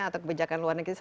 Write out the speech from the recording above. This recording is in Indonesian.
atau kebijakan luar negara